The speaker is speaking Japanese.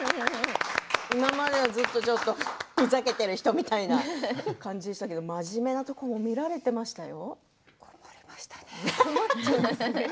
今まではふざけている人みたいな感じでしたけれど真面目なところも見られていましたよ。